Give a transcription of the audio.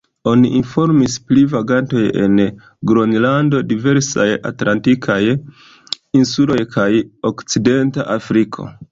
Oni informis pri vagantoj en Gronlando, diversaj atlantikaj insuloj kaj Okcidenta Afriko.